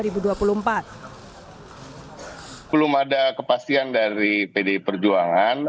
belum ada kepastian dari pdi perjuangan